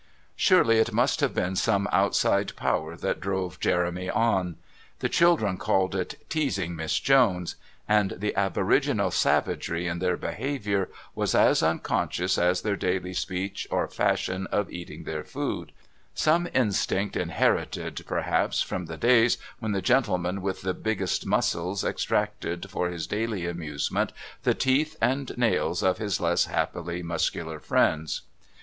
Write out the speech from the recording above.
Surely it must have been some outside power that drove Jeremy on. The children called it "teasing Miss Jones," and the aboriginal savagery in their behaviour was as unconscious as their daily speech or fashion of eating their food some instinct inherited, perhaps, from the days when the gentleman with the biggest muscles extracted for his daily amusement the teeth and nails of his less happily muscular friends.